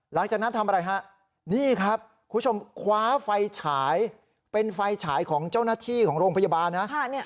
หลังจากนั้นทำอะไรฮะนี่ครับคุณผู้ชมคว้าไฟฉายเป็นไฟฉายของเจ้าหน้าที่ของโรงพยาบาลนะ